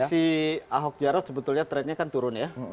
posisi ahok jarod sebetulnya trendnya kan turun ya